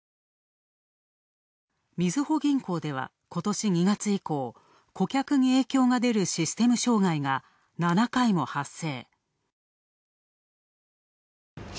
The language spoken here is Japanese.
みずほ銀行では今年２月以降、顧客に影響が出るシステム障害が７回も発生。